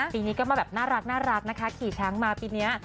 ปีนี้ก็มาแบบน่ารักนะคะขี่ช้างมาปีนี้